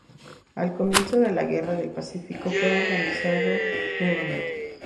Al comienzo de la Guerra del Pacífico fue organizado nuevamente.